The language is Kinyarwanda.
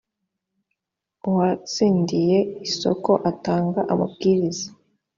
uwatsindiye isoko atanga amabwiriza